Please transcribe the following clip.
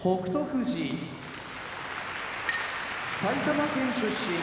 富士埼玉県出身